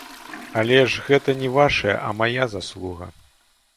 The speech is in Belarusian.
Але ж гэта не вашая, а мая заслуга.